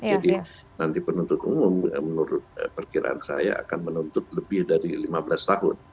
jadi nanti penuntut umum menurut perkiraan saya akan menuntut lebih dari lima belas tahun